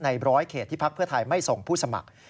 ร้อยเขตที่พักเพื่อไทยไม่ส่งผู้สมัคร